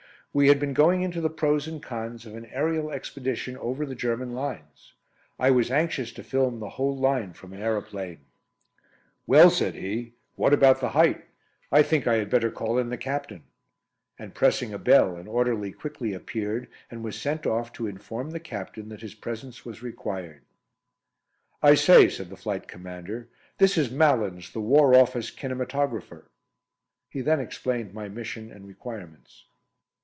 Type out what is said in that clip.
We had been going into the pros and cons of an aerial expedition over the German lines. I was anxious to film the whole line from an aeroplane. "Well," said he, "what about the height? I think I had better call in the Captain," and pressing a bell an orderly quickly appeared and was sent off to inform the Captain that his presence was required. "I say," said the Flight Commander, "this is Malins, the War Office Kinematographer." He then explained my mission and requirements.